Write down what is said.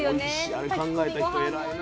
あれ考えた人偉いな。